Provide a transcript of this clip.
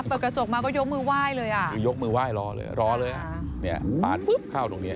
เปิดกระจกมาก็ยกมือไหว้เลยอ่ะยกมือไหว้รอรอเลยน่ะนี่